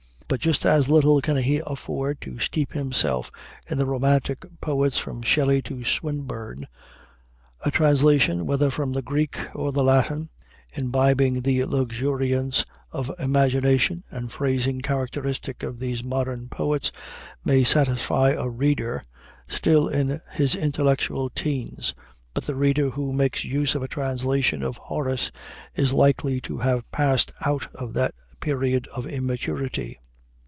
But just as little can he afford to steep himself in the Romantic Poets from Shelley to Swinburne. A translation, whether from the Greek or the Latin, imbibing the luxuriance of imagination and phrasing characteristic of these modern poets, may satisfy a reader still in his intellectual teens, but the reader who makes use of a translation of Horace is likely to have passed out of that period of immaturity.